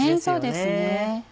そうですね。